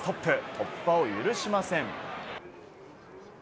突破を許しません。